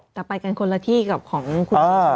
แต่ไปกันคนละที่กับของคุณพ่อ